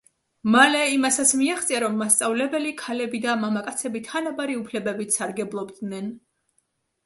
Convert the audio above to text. მალე იმასაც მიაღწია, რომ მასწავლებელი ქალები და მამაკაცები თანაბარი უფლებებით სარგებლობდნენ.